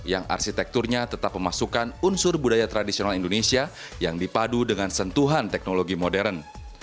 yang arsitekturnya tetap memasukkan unsur budaya tradisional indonesia yang dipadu dengan sentuhan teknologi modern